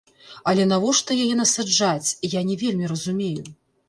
Але навошта яе насаджаць, я не вельмі разумею.